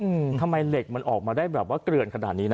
ทำไมเหล็กมันออกมาได้แบบว่าเกลือนขนาดนี้นะ